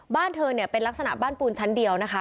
บ้านเธอเนี่ยเป็นลักษณะบ้านปูนชั้นเดียวนะคะ